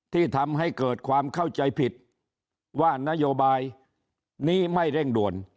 ที่ทำให้เกิดความเข้าใจผิดว่านโยบายนี้ไม่เร่งด่วน